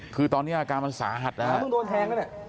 คือตอนนี้อาการมันสาหัสนะครับ